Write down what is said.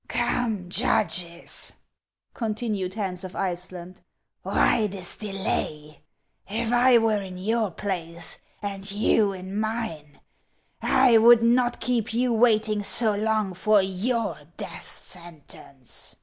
" Come, judges," continued Hans of Iceland, " why this delay ? If I were in your place and you in mine, I would not keep you waiting so long for your death sentence."